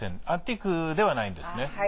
アンティークではないんですね。